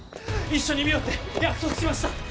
一緒に見ようって約束しました。